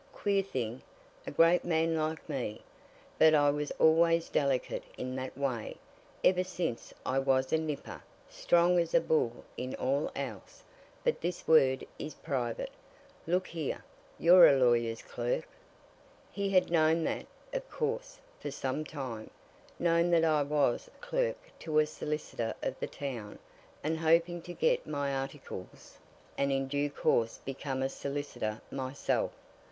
Queer thing, a great man like me, but I was always delicate in that way, ever since I was a nipper strong as a bull in all else. But this word is private. Look here, you're a lawyer's clerk?" He had known that, of course, for some time known that I was clerk to a solicitor of the town, and hoping to get my articles, and in due course become a solicitor myself.